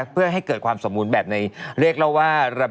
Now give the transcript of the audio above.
เพื่อให้เกิดความสมบูรณ์แบบในเรียกเล่าว่า